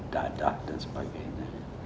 dadah dan sebagainya